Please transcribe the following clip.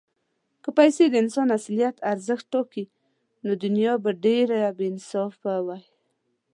که پیسې د انسان اصلي ارزښت ټاکلی، نو دنیا به ډېره بېانصافه وای.